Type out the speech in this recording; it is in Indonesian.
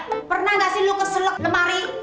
eh pernah ga lo keselak lemari